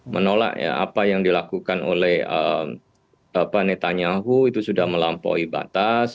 menolak ya apa yang dilakukan oleh netanyahu itu sudah melampaui batas